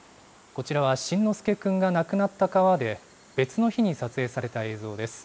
こちらは慎之介くんが亡くなった川で別の日に撮影された映像です。